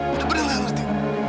benar benar gak ngerti